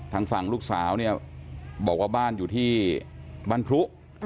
ทางฝั่งลูกสาวเนี่ยบอกว่าบ้านอยู่ที่บ้านพรุ